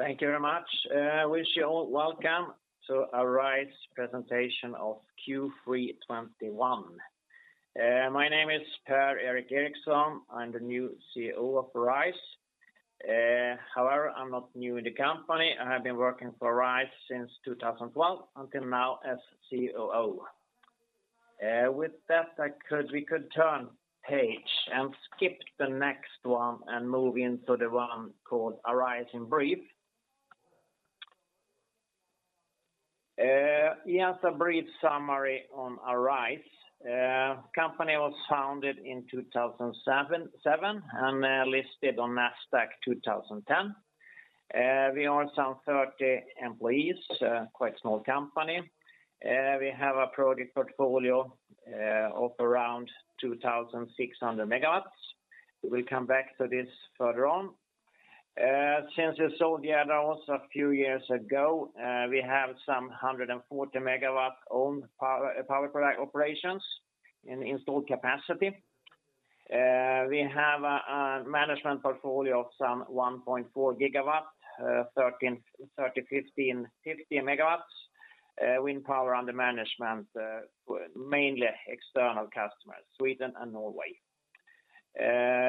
Thank you very much. I wish you all welcome to Arise presentation of Q3 2021. My name is Per-Erik Eriksson. I'm the new CEO of Arise. However, I'm not new in the company. I have been working for Arise since 2012 until now as COO. With that, we could turn page and skip the next one and move into the one called Arise in brief. Yes, a brief summary on Arise. Company was founded in 2007 and listed on Nasdaq 2010. We are some 30 employees, quite small company. We have a project portfolio of around 2,600 MW. We will come back to this further on. Since we sold the other ones a few years ago, we have some 140 MW owned power production operations in installed capacity. We have a management portfolio of some 1.4 GW, 1,330-1,550 MW wind power under management, mainly external customers, Sweden and Norway.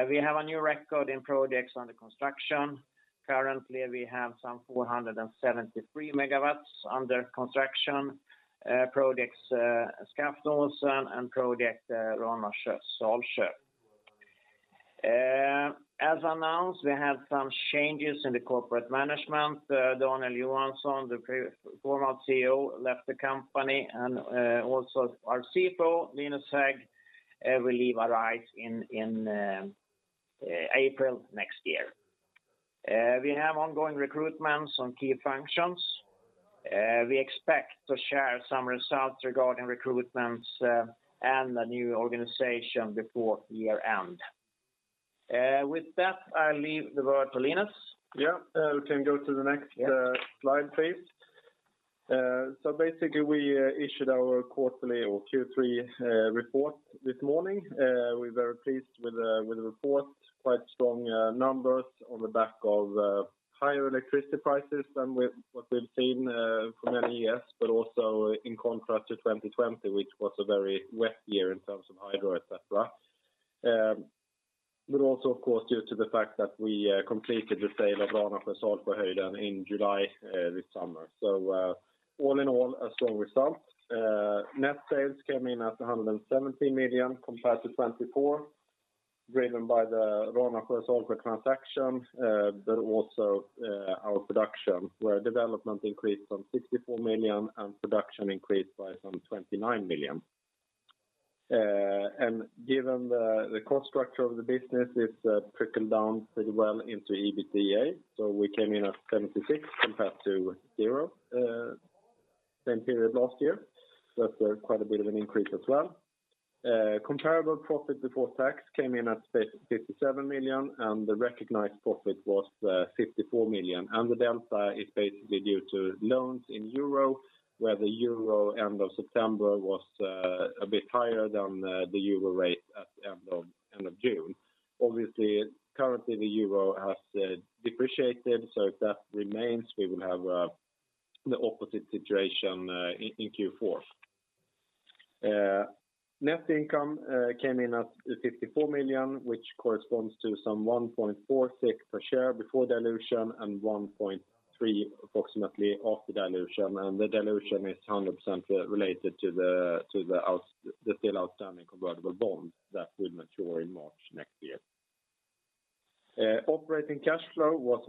We have a new record in projects under construction. Currently, we have some 473 MW under construction, projects, Skaftåsen and Ranasjö and Salsjöhöjden. As announced, we have some changes in the corporate management. Daniel Johansson, the former CEO, left the company, and also our CFO, Linus Hägg, will leave Arise in April next year. We have ongoing recruitments on key functions. We expect to share some results regarding recruitments and a new organization before year-end. With that, I'll leave the word to Linus. We can go to the next slide, please. Basically, we issued our quarterly or Q3 report this morning. We're very pleased with the report. Quite strong numbers on the back of higher electricity prices than what we've seen for many years, but also in contrast to 2020, which was a very wet year in terms of hydro, et cetera. But also, of course, due to the fact that we completed the sale of Ranasjö and Salsjöhöjden in July this summer. All in all, a strong result. Net sales came in at 170 million compared to 24 million, driven by the Ranasjö and Salsjöhöjden transaction, but also our production, where development increased from 64 million and production increased by some 29 million. Given the cost structure of the business, it's trickled down pretty well into EBITDA, so we came in at 76 million compared to 0 same period last year, so that's quite a bit of an increase as well. Comparable profit before tax came in at 57 million, and the recognized profit was 54 million, and the delta is basically due to loans in euro, where the euro end of September was a bit higher than the euro rate at the end of June. Obviously, currently, the euro has depreciated, so if that remains, we will have the opposite situation in Q4. Net income came in at 54 million, which corresponds to some 1.4 SEK per share before dilution and 1.3 approximately after dilution. The dilution is 100% related to the outstanding convertible bond that will mature in March next year. Operating cash flow was -1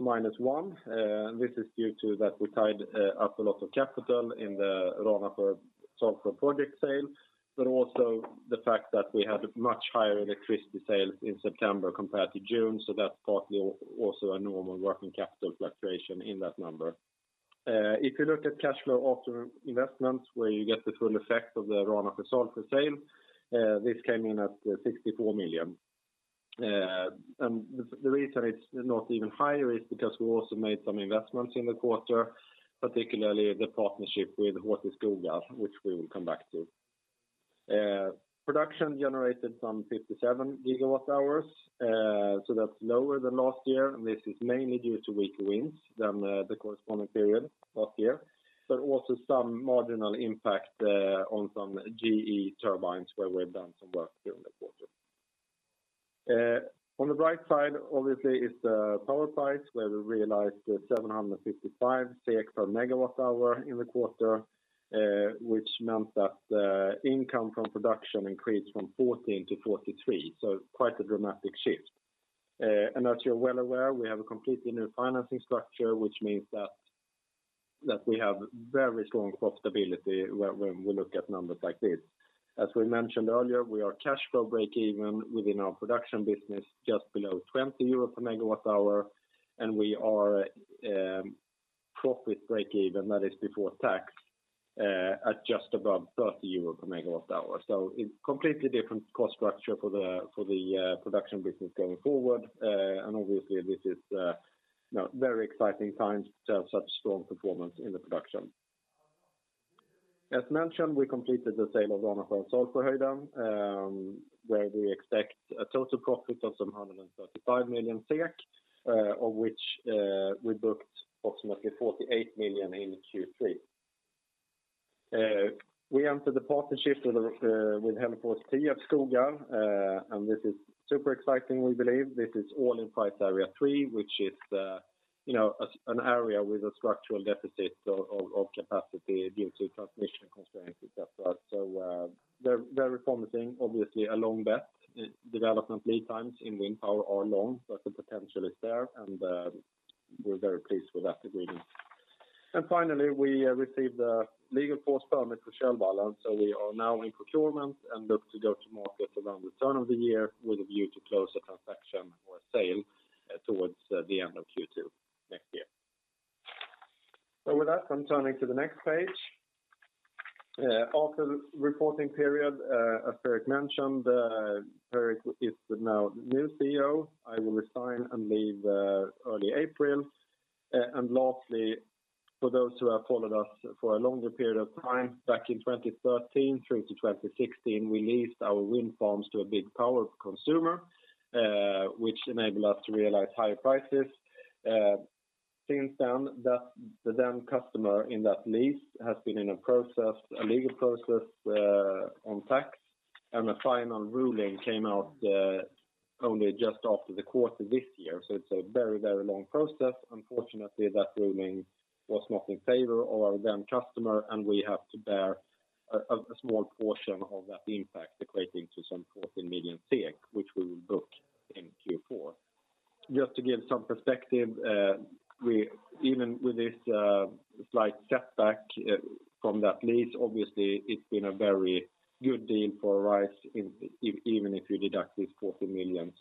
million. This is due to that we tied up a lot of capital in the Ranasjö- and Salsjöhöjden project sale, but also the fact that we had much higher electricity sales in September compared to June, so that's partly also a normal working capital fluctuation in that number. If you look at cash flow after investments, where you get the full effect of the Ranasjö- and Salsjöhöjden sale, this came in at 64 million. The reason it's not even higher is because we also made some investments in the quarter, particularly the partnership with Hällefors Tierp Skogar, which we will come back to. Production generated some 57 GWh, so that's lower than last year, and this is mainly due to weaker winds than in the corresponding period last year, but also some marginal impact on some GE turbines where we've done some work during the quarter. On the right side, obviously, is the power price, where we realized 755 SEK per MWh in the quarter, which meant that income from production increased from 14-43, so quite a dramatic shift. You're well aware, we have a completely new financing structure, which means that we have very strong profitability when we look at numbers like this. As we mentioned earlier, we are cash flow breakeven within our production business just below 20 euro per MWh, and we are profit breakeven, that is before tax, at just above 30 euro per MWh. It's completely different cost structure for the production business going forward, and obviously this is you know very exciting times to have such strong performance in the production. As mentioned, we completed the sale of Ranasjö and Salsjöhöjden, where we expect a total profit of some 135 million SEK, of which we booked approximately 48 million SEK in Q3. We entered the partnership with Hällefors Tierp Skogar, and this is super exciting, we believe. This is all in price area three, which is, you know, an area with a structural deficit of capacity due to transmission constraints, et cetera. Very promising. Obviously, a long bet. Development lead times in wind power are long, but the potential is there and we're very pleased with that agreement. Finally, we received the legal force permit for Kölvallen, so we are now in procurement and look to go to market around the turn of the year with a view to close the transaction or sale towards the end of Q2 next year. With that, I'm turning to the next page. After the reporting period, as Per-Erik Eriksson mentioned, Per-Erik Eriksson is now new CEO. I will resign and leave early April. Lastly, for those who have followed us for a longer period of time, back in 2013 through to 2016, we leased our wind farms to a big power consumer, which enabled us to realize higher prices. Since then, the then customer in that lease has been in a process, a legal process, on tax, and a final ruling came out only just after the quarter this year. It's a very, very long process. Unfortunately, that ruling was not in favor of our then customer, and we have to bear a small portion of that impact equating to some 14 million, which we will book in Q4. Just to give some perspective, even with this slight setback from that lease, obviously, it's been a very good deal for Arise even if you deduct this 14 million.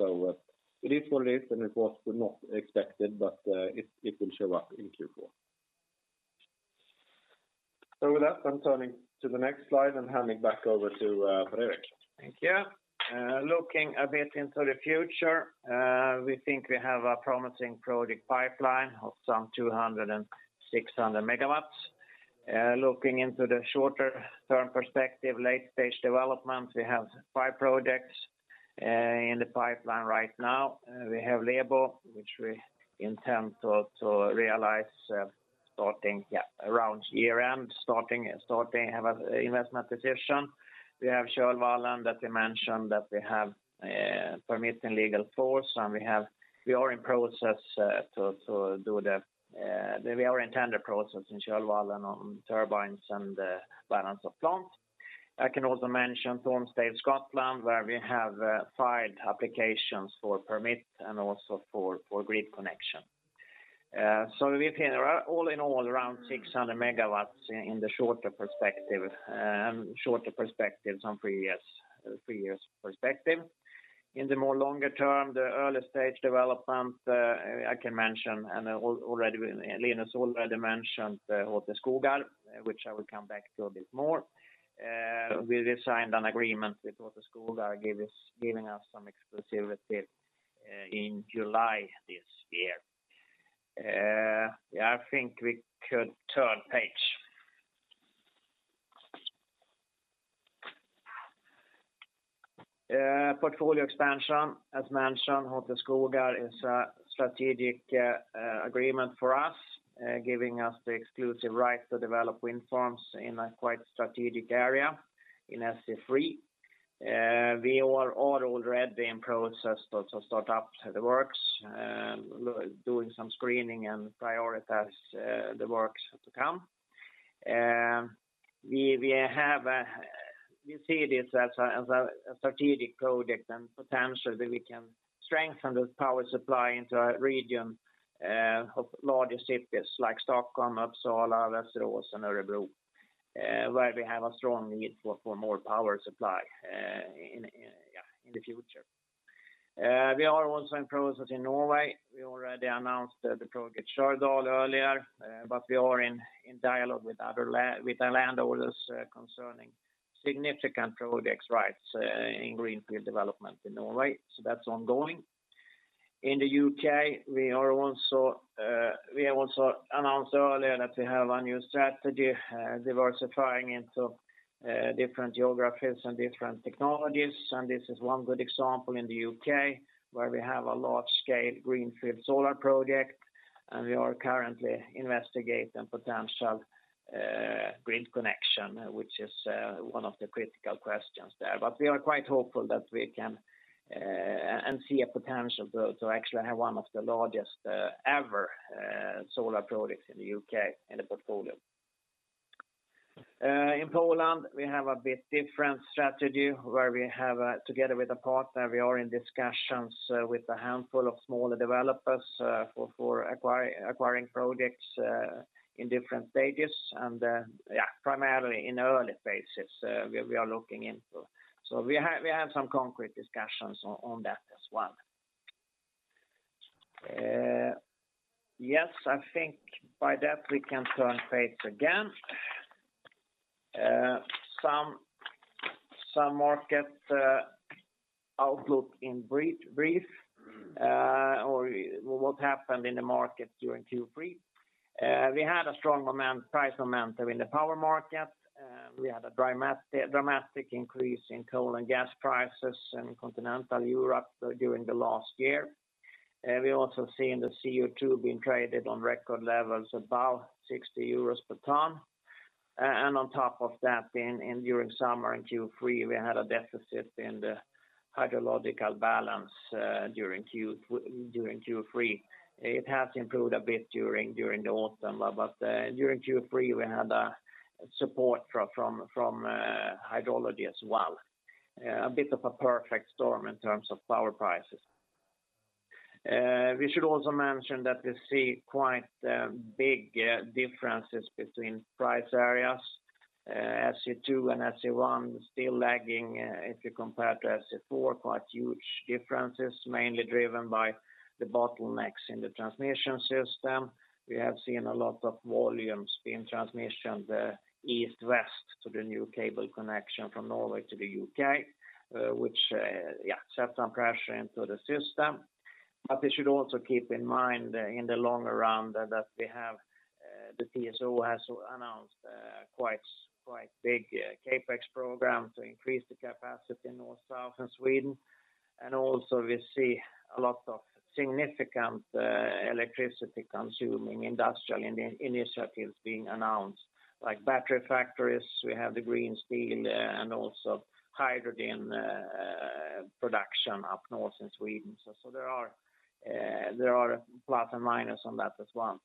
It is what it is, and it was not expected, but it will show up in Q4. With that, I'm turning to the next slide and hand it back over to Per-Erik Eriksson. Thank you. Looking a bit into the future, we think we have a promising project pipeline of some 200-600 MW. Looking into the shorter term perspective, late stage development, we have 5 projects in the pipeline right now. We have Lebo, which we intend to realize starting around year-end have an investment decision. We have Kölvallen that we mentioned that we have permit in legal force, and we are in tender process in Kölvallen on turbines and the balance of plant. I can also mention Tormsdale in Scotland, where we have filed applications for permit and also for grid connection. We have here all in all, around 600 MW in the shorter perspective, some three years perspective. In the longer term, the early stage development, I can mention, and Linus already mentioned Hällefors Tierp Skogar, which I will come back to a bit more. We signed an agreement with Hällefors Tierp Skogar giving us some exclusivity in July this year. I think we could turn page. Portfolio expansion. As mentioned, Hällefors Tierp Skogar is a strategic agreement for us, giving us the exclusive right to develop wind farms in a quite strategic area in SE3. We are already in process to start up the works, doing some screening and prioritize the works to come. We see this as a strategic project and potential that we can strengthen the power supply into a region of larger cities like Stockholm, Uppsala, Västerås, and Örebro, where we have a strong need for more power supply in the future. We are also in process in Norway. We already announced the project Stjørdal earlier, but we are in dialogue with other landowners concerning significant project rights in greenfield development in Norway, so that's ongoing. In the U.K., we have also announced earlier that we have a new strategy, diversifying into different geographies and different technologies, and this is one good example in the U.K., where we have a large-scale greenfield solar project, and we are currently investigating potential grid connection, which is one of the critical questions there. We are quite hopeful that we can see a potential to actually have one of the largest ever solar projects in the U.K. in the portfolio. In Poland, we have a bit different strategy where we have, together with a partner, we are in discussions with a handful of smaller developers for acquiring projects in different stages and, yeah, primarily in early phases, we are looking into. We have some concrete discussions on that as well. Yes, I think by that we can turn page again. Some market outlook in brief or what happened in the market during Q3. We had a strong demand price momentum in the power market. We had a dramatic increase in coal and gas prices in continental Europe during the last year. We also seen the CO2 being traded on record levels, about 60 euros per ton. On top of that, during summer in Q3, we had a deficit in the hydrological balance during Q3. It has improved a bit during the autumn, but during Q3, we had support from hydrology as well. A bit of a perfect storm in terms of power prices. We should also mention that we see quite big differences between price areas. SE2 and SE1 still lagging if you compare to SE4, quite huge differences, mainly driven by the bottlenecks in the transmission system. We have seen a lot of volume in transmission from the east to west to the new cable connection from Norway to the UK, which shed some pressure into the system. We should also keep in mind in the long run that the TSO has announced quite big CapEx program to increase the capacity north-south in Sweden. We see a lot of significant electricity consuming industrial initiatives being announced, like battery factories. We have the green steel and also hydrogen production up north in Sweden. There are plus and minus on that as well.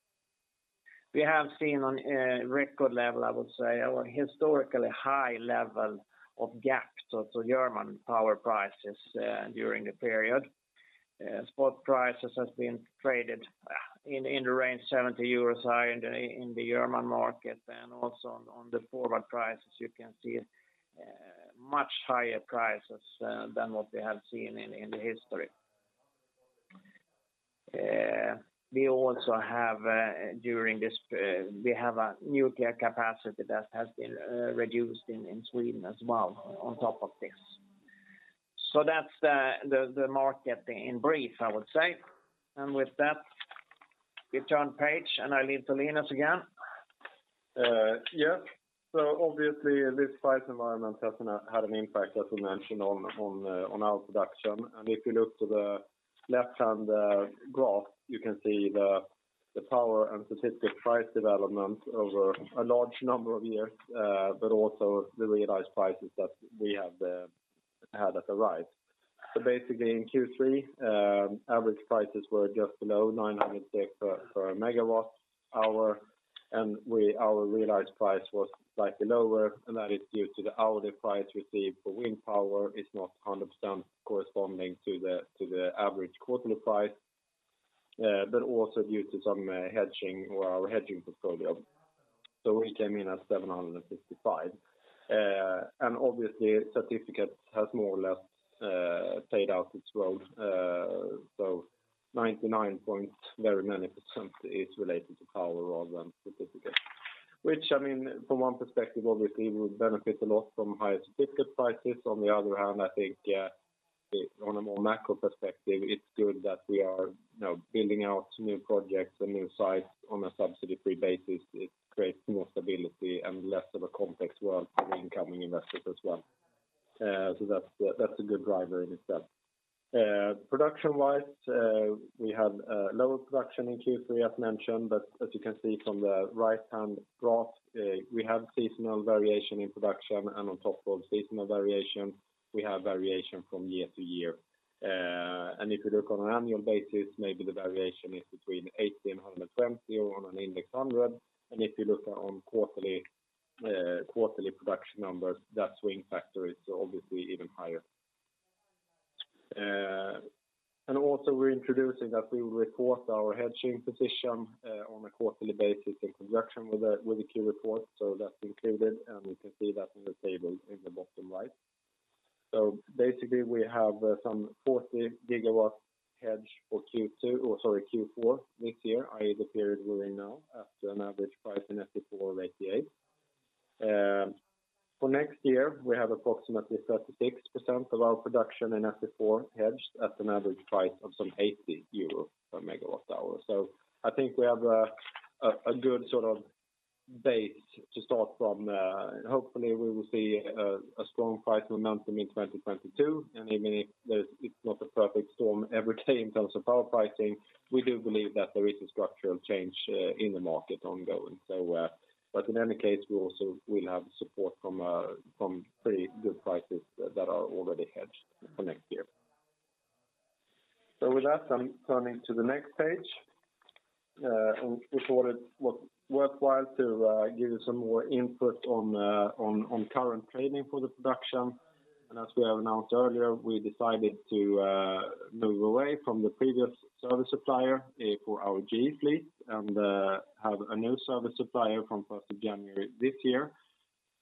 We have seen on record level, I would say, or historically high level of gaps. So German power prices during the period. Spot prices has been traded in the range 70 euros high in the German market. Also on the forward prices, you can see much higher prices than what we have seen in the history. We also have during this a nuclear capacity that has been reduced in Sweden as well on top of this. That's the market in brief, I would say. With that, we turn page, and I leave to Linus again. Yes. Obviously this price environment had an impact, as we mentioned on our production. If you look to the left-hand graph, you can see the power and certificate price development over a large number of years, but also the realized prices that we have had at the right. Basically in Q3, average prices were just below 906 per MWh, and our realized price was slightly lower, and that is due to the hourly price received for wind power is not 100% corresponding to the average quarterly price, but also due to some hedging or our hedging portfolio. We came in at 755. Obviously certificate has more or less played out its role. 99% is related to power rather than certificate, which, I mean, from one perspective, obviously we benefit a lot from higher certificate prices. On the other hand, I think, on a more macro perspective, it's good that we are, you know, building out new projects and new sites on a subsidy-free basis. It creates more stability and less of a complex world for incoming investors as well. That's a good driver in itself. Production-wise, we had lower production in Q3, as mentioned, but as you can see from the right-hand graph, we have seasonal variation in production, and on top of seasonal variation, we have variation from year-to-year. If you look on an annual basis, maybe the variation is between 80 and 120 on an index 100. If you look at quarterly production numbers, that swing factor is obviously even higher. Also we're introducing that we will report our hedging position on a quarterly basis in conjunction with the Q report. That's included, and you can see that in the table in the bottom right. Basically we have some 40 GW hedge for Q2, or sorry, Q4 this year, i.e., the period we're in now, at an average price in SE4 of 88. For next year, we have approximately 36% of our production in SE4 hedged at an average price of some 80 euros per MWh. I think we have a good sort of base to start from. Hopefully we will see a strong price momentum in 2022. Even if there's, it's not a perfect storm every day in terms of power pricing, we do believe that there is a structural change in the market ongoing. But in any case, we also will have support from pretty good prices that are already hedged for next year. With that, I'm turning to the next page. We thought it was worthwhile to give you some more input on current trading for the production. As we have announced earlier, we decided to move away from the previous service supplier for our GE fleet and have a new service supplier from 1st of January this year.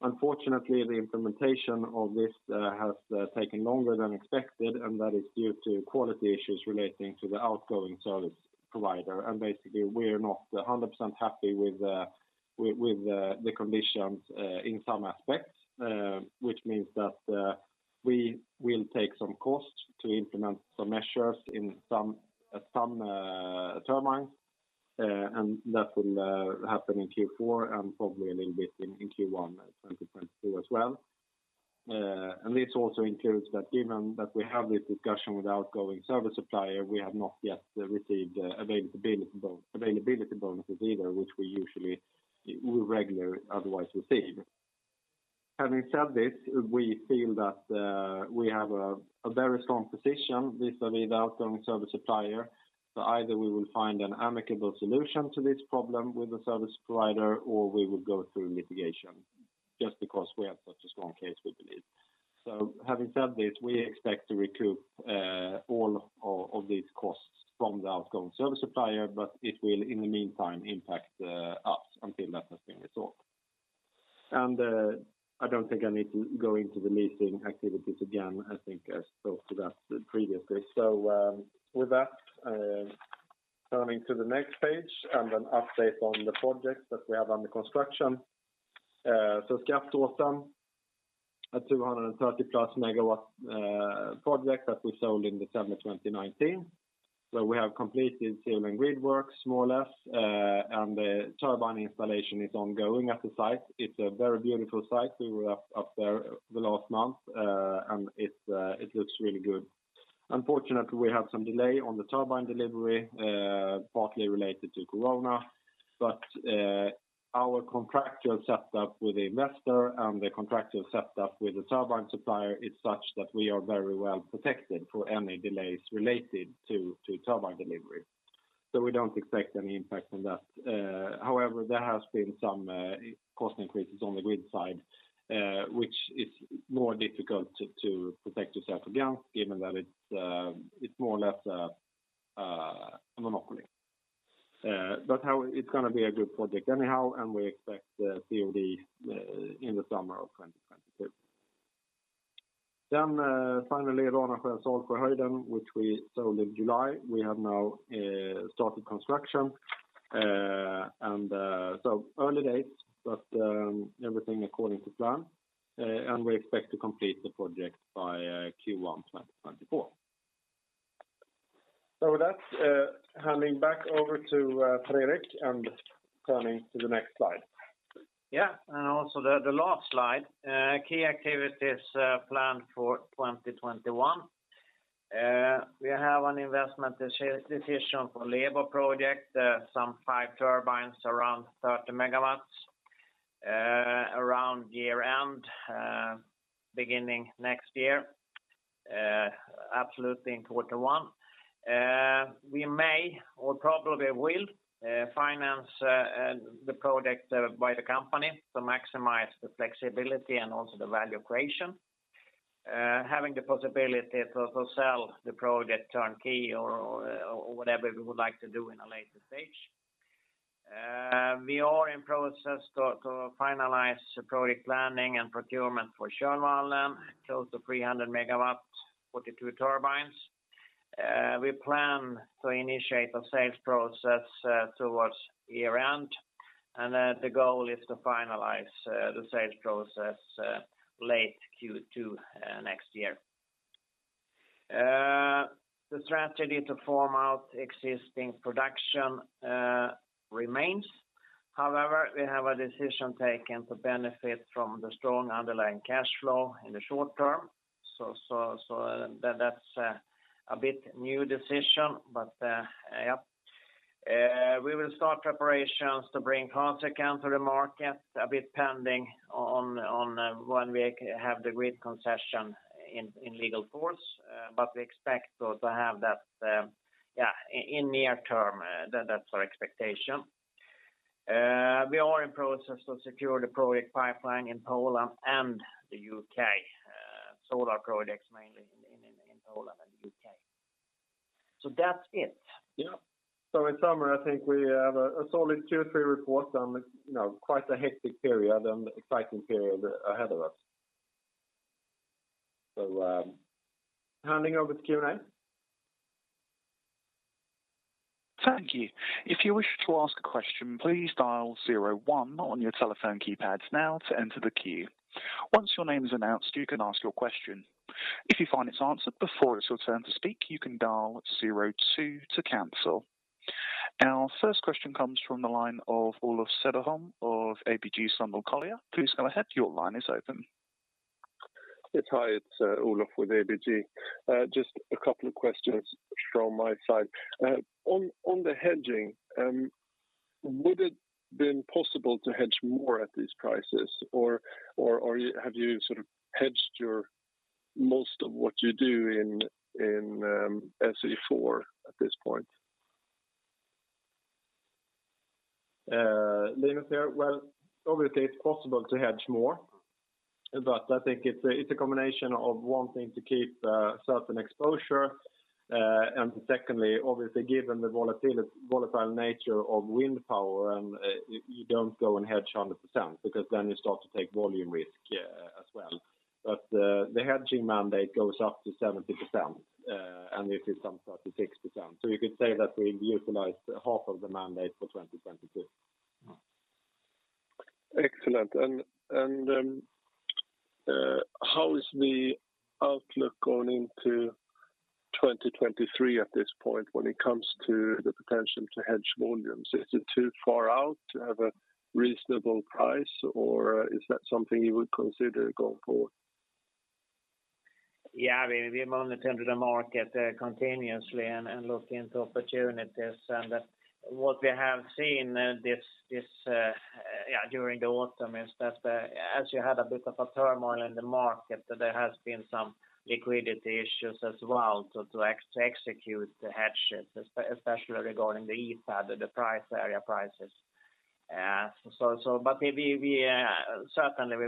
Unfortunately, the implementation of this has taken longer than expected, and that is due to quality issues relating to the outgoing service provider. Basically, we're not 100% happy with the conditions in some aspects, which means that we will take some costs to implement some measures in some turbines, and that will happen in Q4 and probably a little bit in Q1 2022 as well. This also includes that given that we have this discussion with outgoing service supplier, we have not yet received availability bonuses either, which we regularly otherwise receive. Having said this, we feel that we have a very strong position vis-a-vis the outgoing service supplier. Either we will find an amicable solution to this problem with the service provider, or we will go through litigation just because we have such a strong case, we believe. Having said this, we expect to recoup all of these costs from the outgoing service supplier, but it will, in the meantime, impact us until that has been resolved. I don't think I need to go into the leasing activities again. I think I spoke to that previously. With that, turning to the next page and an update on the projects that we have under construction. Skaftåsen, a 230+ MW project that we sold in December 2019. We have completed civil and grid work more or less, and the turbine installation is ongoing at the site. It's a very beautiful site. We were up there the last month, and it looks really good. Unfortunately, we have some delay on the turbine delivery, partly related to corona. Our contractual setup with the investor and the contractual setup with the turbine supplier is such that we are very well protected for any delays related to turbine delivery. We don't expect any impact from that. However, there has been some cost increases on the grid side, which is more difficult to protect yourself against, given that it's more or less a monopoly. It's gonna be a good project anyhow, and we expect the COD in the summer of 2022. Finally, Ranasjö and Salsjöhöjden, which we sold in July, we have now started construction. And early dates, but everything according to plan. And we expect to complete the project by Q1 2024. With that, handing back over to Per-Erik Eriksson and turning to the next slide. Yeah. Also the last slide, key activities planned for 2021. We have an investment decision for Lebo project, some five turbines, around 30 MW, around year-end, beginning next year. Absolutely important one. We may or probably will finance the project by the company to maximize the flexibility and also the value creation. Having the possibility to sell the project turnkey or whatever we would like to do in a later stage. We are in process to finalize project planning and procurement for Kölvallen, close to 300 MW, 42 turbines. We plan to initiate a sales process towards year-end, and the goal is to finalize the sales process late Q2 next year. The strategy to farm out existing production remains. However, we have a decision taken to benefit from the strong underlying cash flow in the short term. That's a bit new decision. Yeah. We will start preparations to bring Karsekan to the market, a bit pending on when we have the grid concession in legal force. We expect to have that in near term. That's our expectation. We are in process to secure the project pipeline in Poland and the U.K., solar projects mainly in Poland and the U.K. That's it. Yeah. In summary, I think we have a solid Q3 report and, you know, quite a hectic period and exciting period ahead of us. Handing over to Q&A. Thank you. If you wish to ask a question, please dial zero, one on your telephone keypads now to enter the queue. Once your name is announced, you can ask your question. If you find it's answered before it's your turn to speak, you can dial zero, two to cancel. Our first question comes from the line of Olof Cederholm of ABG Sundal Collier. Please go ahead, your line is open. Yes. Hi, it's Olof with ABG. Just a couple of questions from my side. On the hedging, would it been possible to hedge more at these prices? Or have you sort of hedged your most of what you do in SE4 at this point? Linus here. Well, obviously, it's possible to hedge more, but I think it's a combination of wanting to keep certain exposure. Secondly, obviously, given the volatile nature of wind power, you don't go and hedge 100% because then you start to take volume risk as well. The hedging mandate goes up to 70%, and it is some 36%. You could say that we've utilized half of the mandate for 2022. Excellent. How is the outlook going into 2023 at this point when it comes to the potential to hedge volumes? Is it too far out to have a reasonable price, or is that something you would consider going forward? We monitor the market continuously and look into opportunities. What we have seen during the autumn is that as you had a bit of a turmoil in the market, there has been some liquidity issues as well to execute the hedges, especially regarding the EPAD, the price area prices. We certainly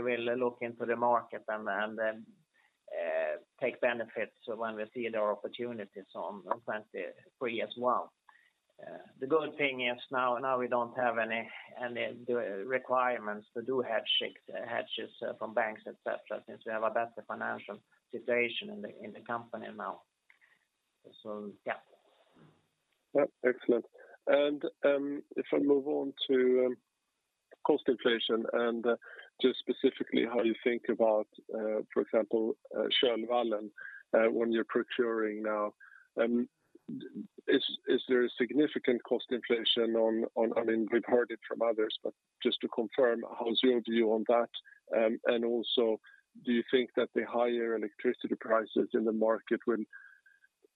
will look into the market and take benefits when we see there are opportunities on 2023 as well. The good thing is now we don't have any requirements to do hedges from banks, et cetera, since we have a better financial situation in the company now. Yeah, excellent. If I move on to cost inflation and just specifically how you think about, for example, Kölvallen, when you're procuring now, is there a significant cost inflation on... I mean, we've heard it from others, but just to confirm, how's your view on that? Also, do you think that the higher electricity prices in the market will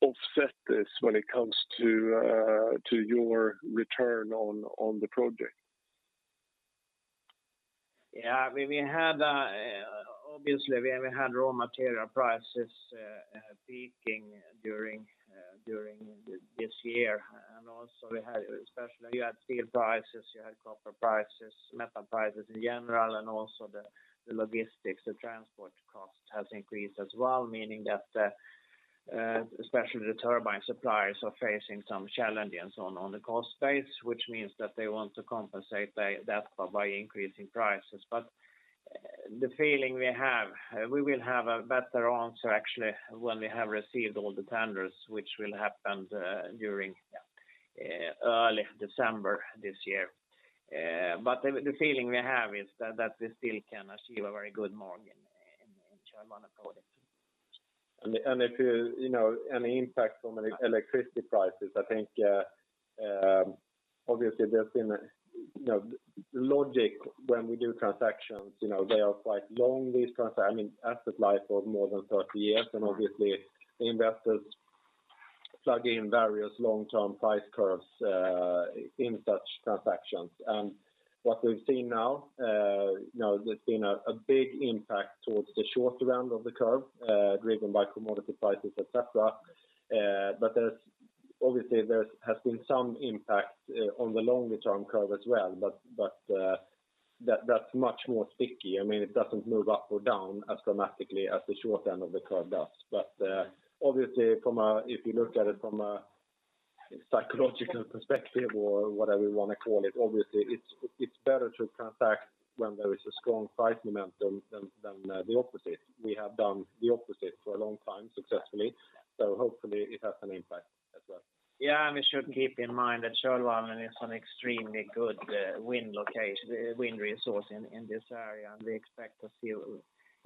offset this when it comes to your return on the project? We had obviously raw material prices peaking during this year. Also we had, especially you had steel prices, you had copper prices, metal prices in general, and also the logistics, the transport cost has increased as well, meaning that especially the turbine suppliers are facing some challenges on the cost base, which means that they want to compensate by increasing prices. The feeling we have, we will have a better answer actually when we have received all the tenders, which will happen during early December this year. The feeling we have is that we still can achieve a very good margin in Kölvallen project. If you know any impact on electricity prices, I think obviously there's been logic when we do transactions. You know, they are quite long. I mean, asset life of more than 30 years, and obviously investors plug in various long-term price curves in such transactions. What we've seen now, you know, there's been a big impact toward the short end of the curve, driven by commodity prices, etc. But obviously there has been some impact on the longer-term curve as well, but that's much more sticky. I mean, it doesn't move up or down as dramatically as the short end of the curve does. Obviously from a psychological perspective or whatever you wanna call it, obviously it's better to transact when there is a strong price momentum than the opposite. We have done the opposite for a long time successfully, so hopefully it has an impact as well. We should keep in mind that Kölvallen is an extremely good wind location, wind resource in this area, and we expect to see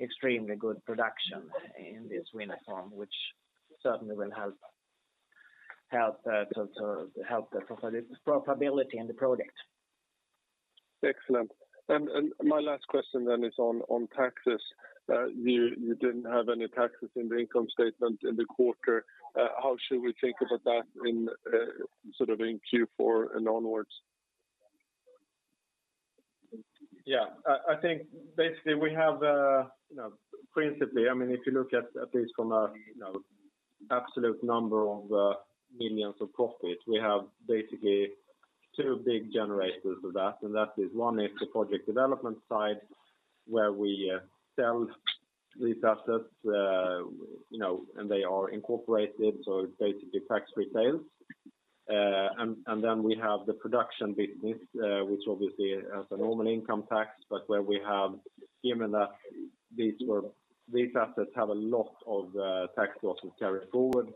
extremely good production in this wind farm, which certainly will help to help the profitability in the project. Excellent. My last question is on taxes. You didn't have any taxes in the income statement in the quarter. How should we think about that in sort of Q4 and onward? Yeah. I think basically we have, you know, principally, I mean, if you look at least from a, you know, absolute number of millions of profit, we have basically two big generators of that. That is the project development side, where we sell these assets, you know, and they are incorporated, so basically tax-free sales. We have the production business, which obviously has a normal income tax, where we have, given that these assets have a lot of tax losses carried forward,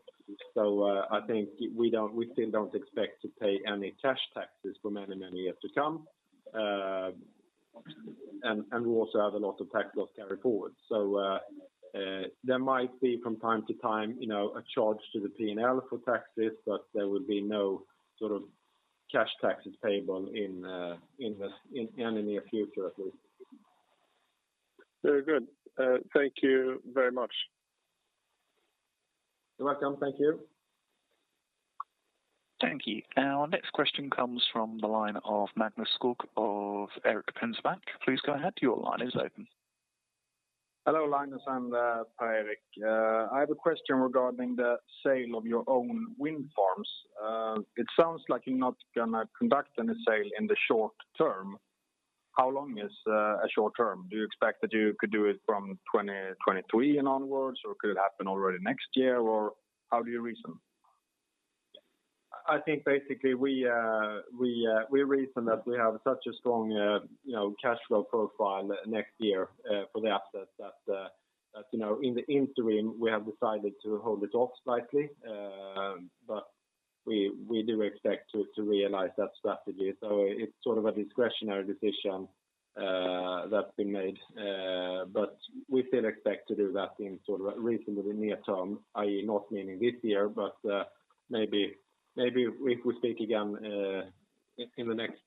I think we still don't expect to pay any cash taxes for many years to come. We also have a lot of tax loss carry forward. There might be from time to time, you know, a charge to the P&L for taxes, but there will be no sort of cash taxes payable in the near future, at least. Very good. Thank you very much. You're welcome. Thank you. Thank you. Our next question comes from the line of Magnus Skog of Erik Penser Bank. Please go ahead. Your line is open. Hello, Linus and Per-Erik. I have a question regarding the sale of your own wind farms. It sounds like you're not gonna conduct any sale in the short term. How long is a short term? Do you expect that you could do it from 2023 and onwards, or could it happen already next year, or how do you reason? I think basically we reason that we have such a strong you know cash flow profile next year for the assets that you know in the interim we have decided to hold it off slightly. We do expect to realize that strategy. It's sort of a discretionary decision that's been made. We still expect to do that in sort of a reasonably near term i.e., not meaning this year, but maybe if we speak again in the next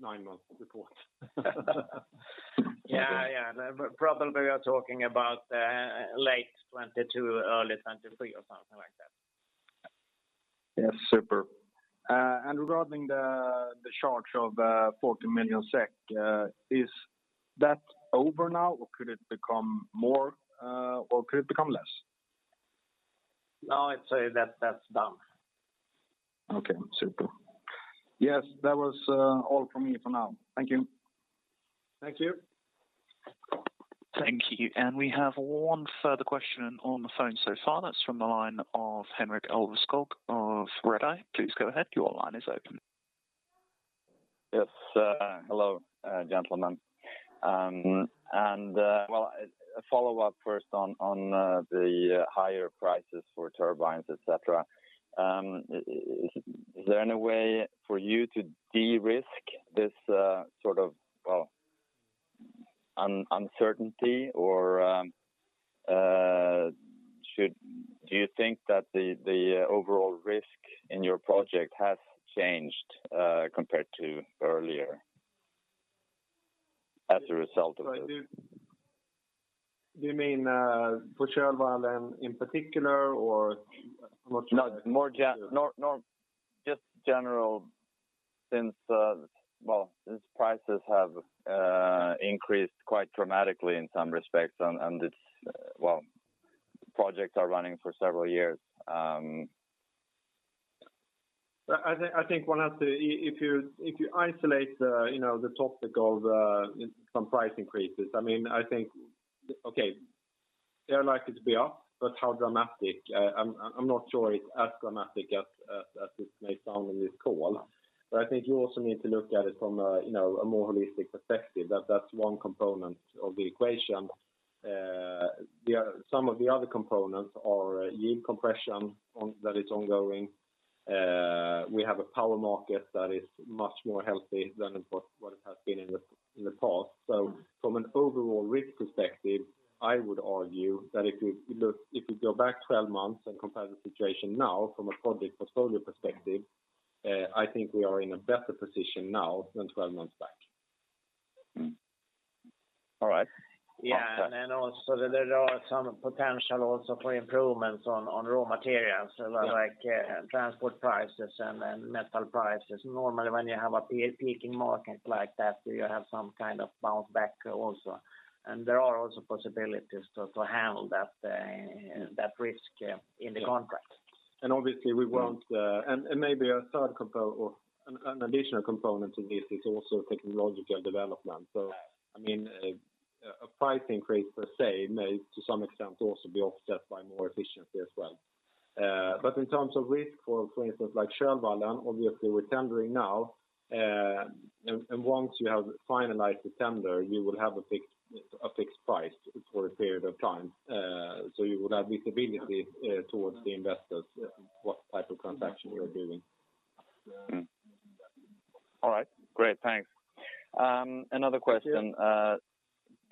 nine months report. Yeah, yeah. Probably we are talking about late 2022, early 2023 or something like that. Yes. Super. Regarding the charge of 40 million SEK, is that over now, or could it become more, or could it become less? No, I'd say that that's done. Okay, super. Yes. That was all from me for now. Thank you. Thank you. Thank you. We have one further question on the phone so far. That's from the line of Henrik Alveskog of Redeye. Please go ahead. Your line is open. Yes. Hello, gentlemen. Well, a follow-up first on the higher prices for turbines, et cetera. Is there any way for you to de-risk this sort of well uncertainty or do you think that the overall risk in your project has changed compared to earlier as a result of this? You mean, for Kölvallen in particular or more general? No, just general since, well, since prices have increased quite dramatically in some respects, and it's well, projects are running for several years. I think one has to, if you isolate, you know, the topic of some price increases, I mean, I think, okay, they are likely to be up, but how dramatic? I'm not sure it's as dramatic as it may sound on this call, but I think you also need to look at it from a, you know, a more holistic perspective, that that's one component of the equation. Some of the other components are yield compression on that is ongoing. We have a power market that is much more healthy than what it has been in the past. From an overall risk perspective, I would argue that if you go back 12 months and compare the situation now from a project portfolio perspective, I think we are in a better position now than 12 months back. Mm-hmm. All right. Yeah. There are some potential also for improvements on raw materials like transport prices and metal prices. Normally, when you have a peaking market like that, you have some kind of bounce back also. There are also possibilities to handle that risk in the contract. Obviously, we want and maybe a third component or an additional component to this is also technological development. I mean, price increase per se may, to some extent, also be offset by more efficiency as well. But in terms of risk, for instance, like Kölvallen, obviously we're tendering now, and once you have finalized the tender, you will have a fixed price for a period of time. You would have visibility towards the investors what type of transaction you're doing. Mm-hmm. All right. Great. Thanks. Another question. Thank you.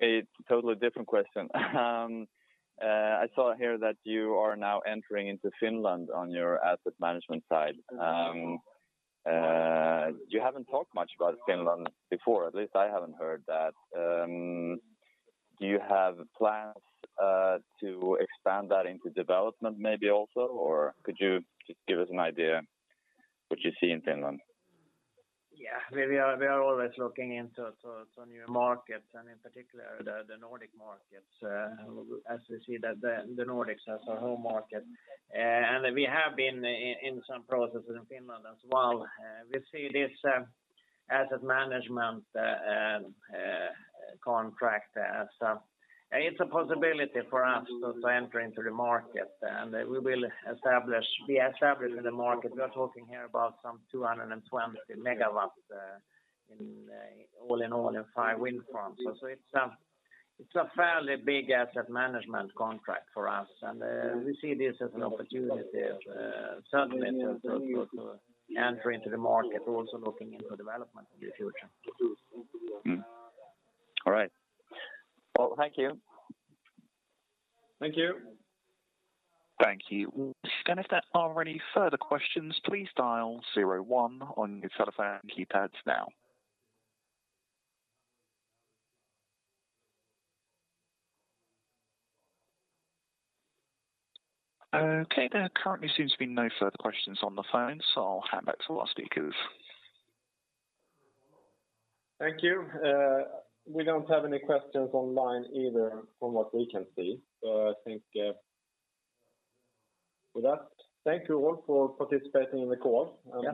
A totally different question. I saw here that you are now entering into Finland on your asset management side. You haven't talked much about Finland before. At least I haven't heard that. Do you have plans to expand that into development maybe also, or could you just give us an idea what you see in Finland? Yeah, we are always looking into new markets and in particular the Nordic markets, as we see that the Nordics as a home market. We have been in some processes in Finland as well. We see this asset management contract as it's a possibility for us to enter into the market, and we establish in the market. We are talking here about some 220 MW in all in five wind farms. It's a fairly big asset management contract for us. We see this as an opportunity certainly to enter into the market, also looking into development in the future. All right. Well, thank you. Thank you. Thank you. If there are any further questions, please dial zero, one on your cellphone keypads now. Okay. There currently seems to be no further questions on the phone, so I'll hand back to our speakers. Thank you. We don't have any questions online either from what we can see. I think, with that, thank you all for participating in the call. Yes.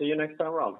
See you next time around.